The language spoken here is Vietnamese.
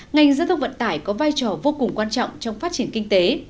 ngành giao thông vận tải có vai trò vô cùng quan trọng trong phát triển kinh tế